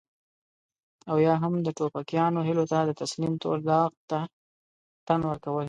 او يا هم د ټوپکيانو هيلو ته د تسليم تور داغ ته تن ورکول.